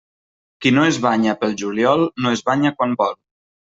Qui no es banya pel juliol no es banya quan vol.